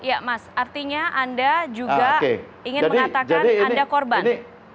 artinya anda juga ingin mengatakan anda korban